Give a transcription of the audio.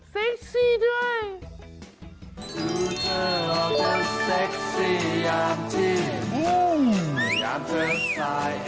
เฮ่ยเซ็กซี่ด้วย